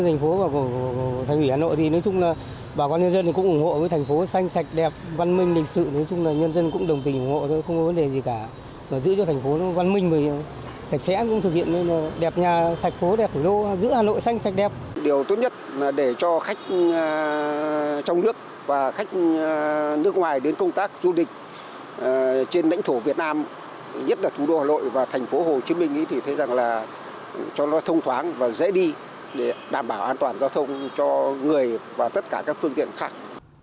nhất là thủ đô hà nội và thành phố hồ chí minh thì thấy rằng là cho nó thông thoáng và dễ đi để đảm bảo an toàn giao thông cho người và tất cả các phương tiện khác